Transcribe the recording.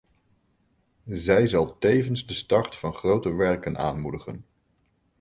Zij zal tevens de start van grote werken aanmoedigen.